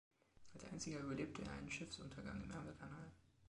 Als einziger überlebte er einen Schiffsuntergang im Ärmelkanal.